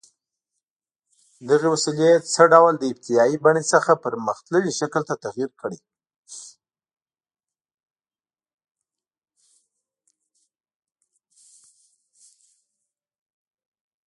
دغې وسیلې څه ډول له ابتدايي بڼې څخه پرمختللي شکل ته تغییر کړی؟